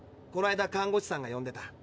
こないだ看護師さんが呼んでた。